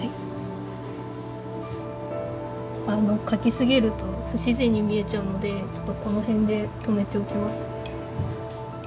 描きすぎると不自然に見えちゃうのでちょっとこの辺で止めておきます。